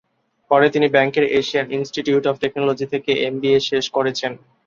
পরে তিনি ব্যাংককের এশিয়ান ইনস্টিটিউট অফ টেকনোলজি থেকে এমবিএ শেষ করেছেন।